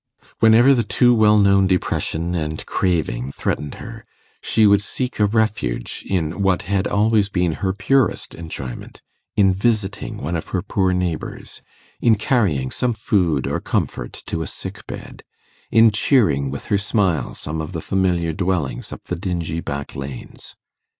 Whenever the too well known depression and craving threatened her, she would seek a refuge in what had always been her purest enjoyment in visiting one of her poor neighbours, in carrying some food or comfort to a sick bed, in cheering with her smile some of the familiar dwellings up the dingy back lanes.